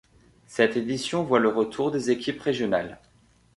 Cette édition voit le retour des équipes régionales.